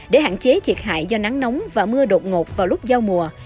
để hạn chế thiệt hại do nắng nóng và mưa đột ngột vào lúc giao mùa